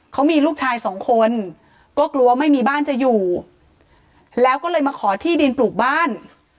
เขามีลูกชายสองคนก็กลัวไม่มีบ้านจะอยู่แล้วก็เลยมาขอที่ดินปลูกบ้าน